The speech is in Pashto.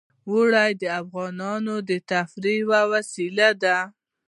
اوړي د افغانانو د تفریح یوه وسیله ده.